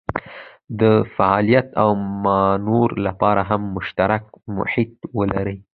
د فعالیت او مانور لپاره هم مشترک محیط ولري.